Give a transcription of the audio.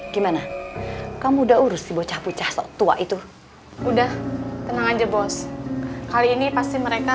gimana kamu udah urus si bocah bocah tua itu udah tenang aja bos kali ini pasti mereka